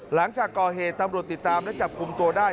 หลังจากก่อเหตุตำรวจติดตามและจับกลุ่มตัวได้